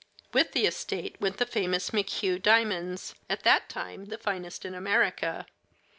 With the estate went the famous McHugh diamonds, at that time the finest in America.